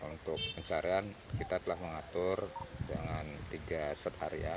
untuk pencarian kita telah mengatur dengan tiga set area